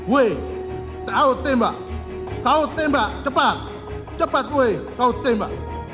weh kau tembak kau tembak cepat cepat weh kau tembak